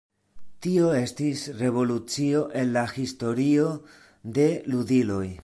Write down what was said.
Tio estis revolucio en la historio de ludiloj.